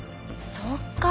そっか！